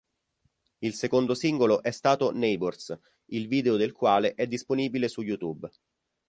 Il secondo singolo è stato "Neighbors", il video del quale è disponibile su YouTube.